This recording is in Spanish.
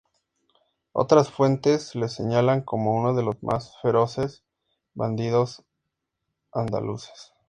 Otras fuentes le señalan como uno de los más feroces bandidos andaluces.